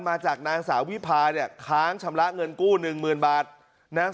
มาจากนางสาววิพาเนี่ยค้างชำระเงินกู้หนึ่งหมื่นบาทนะ